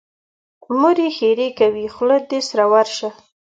مور یې ښېرې کوي: خوله دې سره ورشه.